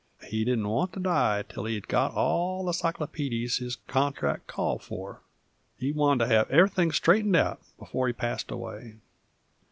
He didn't want to die till he'd got all the cyclopeedies his contract called for; he wanted to have everything straightened out before he passed away.